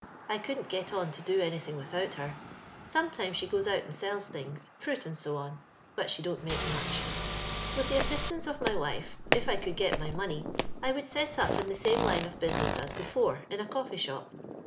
I couldn't get on to do anything without her. Sometimes she goes out and sells tilings — fruit, and so on— > but she don't make much. With the assist ance of my wife, if I could get my money, I would set up in the same line of business as before, in a coffee sliop.